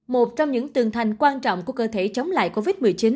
một trong những tường thành quan trọng của cơ thể chống lại covid một mươi chín